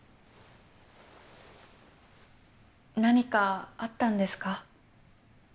何かあったんですか？